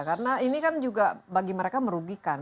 karena ini kan juga bagi mereka merugikan